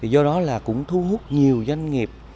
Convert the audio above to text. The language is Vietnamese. do đó là cũng thu hút nhiều doanh nghiệp